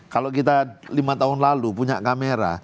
kalau kita lima tahun lalu punya kamera